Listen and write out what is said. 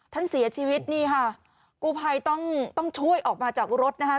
ท่านเสียชีวิตนี่ค่ะกูภัยต้องต้องช่วยออกมาจากรถนะคะ